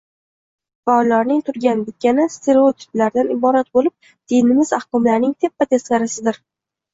va ularning turgan-bitgani stereotiplardan iborat bo‘lib, dinimiz ahkomlarining teppa-teskarisidir.